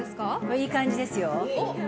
いい感じですよ。